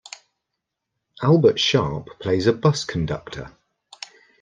Albert Sharpe plays a bus conductor.